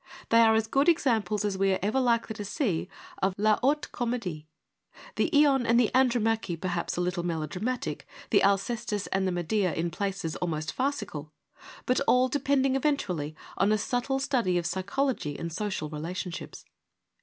They are as good examples as we are ever likely to see of ' la haute comedie '; the Ion and Andro mache, perhaps, a little melodramatic, the Alcestis and the Medea in places almost farcical ; but all depending eventually on a subtle study of psychology and social relationships.